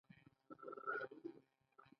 د ویټامینونو کمښت وېښتيان زیانمنوي.